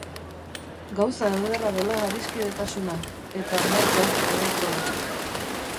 Gauza ederra dela adiskidetasuna, eta motza gorrotoa.